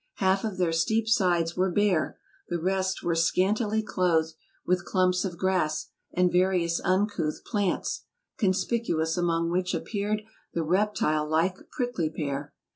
Half of their steep sides were bare; the rest were scantily clothed with clumps of grass, and various uncouth plants, conspicuous among which appeared the reptile like prickly pear.